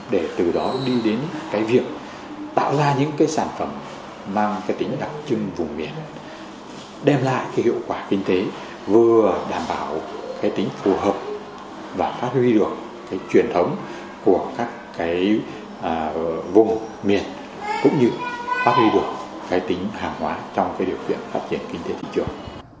để từ đó đi đến cái việc tạo ra những cái sản phẩm mang cái tính đặc trưng vùng miền đem lại cái hiệu quả kinh tế vừa đảm bảo cái tính phù hợp và phát huy được cái truyền thống của các cái vùng miền cũng như phát huy được cái tính hàng hóa trong cái điều kiện phát triển kinh tế thị trường